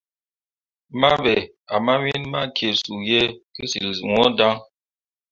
Mah be ah mawin ma kee suu ye kəsyil ŋwəə daŋ.